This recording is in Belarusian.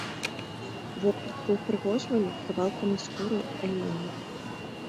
Вопратку упрыгожвалі кавалкамі скуры аленяў.